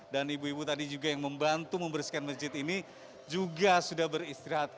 dan ibu ibu tadi juga yang membantu membersihkan masjid ini juga sudah beristirahat